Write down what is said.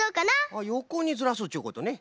あっよこにずらすっちゅうことね。